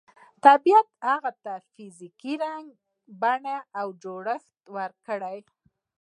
طبیعت به هغې ته فزیکي بڼه او جوړښت ورکړي